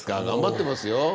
頑張ってますよ。